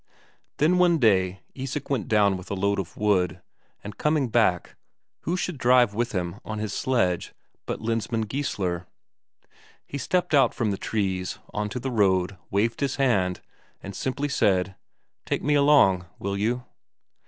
Then one day Isak went down with a load of wood, and coming back, who should drive with him on his sledge but Lensmand Geissler. He stepped out from the trees, on to the road, waved his hand, and simply said: "Take me along, will you?"